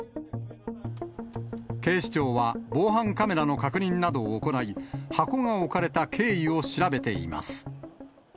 警視庁は、防犯カメラの確認などを行い、箱が置かれた経緯を調べています。